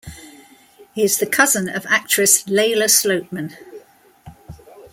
He is the cousin of actress Lala Sloatman.